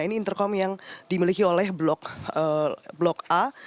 ini intercomm yang dimiliki oleh blok a